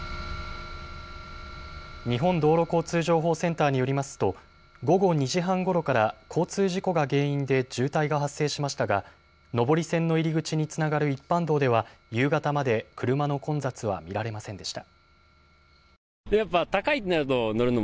日本道路交通情報センターによりますと午後２時半ごろから交通事故が原因で渋滞が発生しましたが上り線の入り口につながる一般道では夕方まで車の混雑は見られませんでした。